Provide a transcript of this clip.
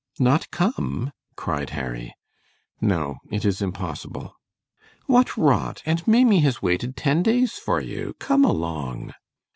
"Not come?" cried Harry. "No, it is impossible." "What rot, and Maimie has waited ten days for you. Come along!"